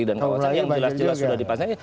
dan kawasan yang jelas jelas sudah dipasang